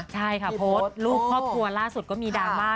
ใช่ค่ะโพสต์รูปครอบครัวล่าสุดก็มีดราม่า